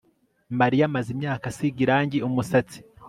Mariya amaze imyaka asiga irangi umusatsi